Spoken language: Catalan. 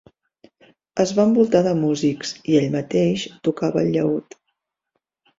Es va envoltar de músics i ell mateix tocava el llaüt.